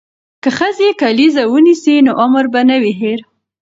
که ښځې کلیزه ونیسي نو عمر به نه وي هیر.